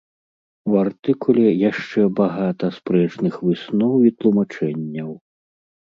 У артыкуле яшчэ багата спрэчных высноў і тлумачэнняў.